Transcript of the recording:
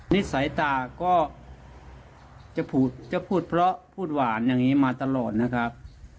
นิสัยตาก็จะพูดเพราะพูดหวานอย่างนี้มาตลอดนะครับ